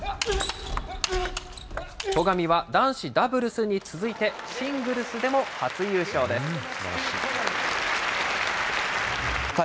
戸上は男子ダブルスに続いて、シングルスでも初優勝です。